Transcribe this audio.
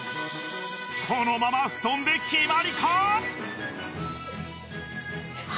このまま布団で決まりか？